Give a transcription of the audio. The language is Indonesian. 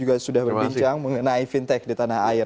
juga sudah berbincang mengenai fintech di tanah air